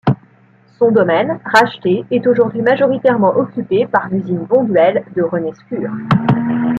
Son domaine, racheté, est aujourd'hui majoritairement occupé par l'usine Bonduelle de Renescure.